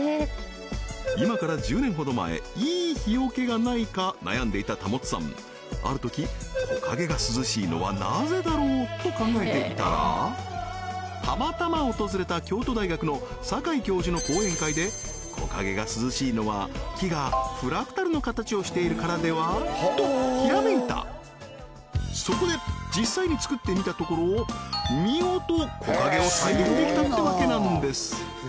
今から１０年ほど前いい日よけがないか悩んでいた保さんあるとき木陰が涼しいのはなぜだろう？と考えていたらたまたま訪れた京都大学の酒井教授の講演会で木陰が涼しいのは木がフラクタルの形をしているからでは？とひらめいたそこで実際に作ってみたところ見事木陰を再現できたってわけなんです